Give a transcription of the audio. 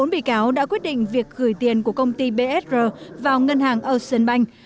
bốn bị cáo đã quyết định việc gửi tiền của công ty bsr vào ngân hàng ocean bank